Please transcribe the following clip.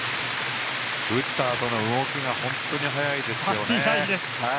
打ったあとの動きが本当に速いですよね。